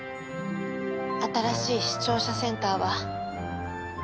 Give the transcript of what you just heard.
新しい視聴者センターは。